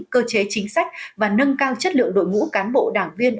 cơ chế chính sách và nâng cao chất lượng đội ngũ cán bộ đảng viên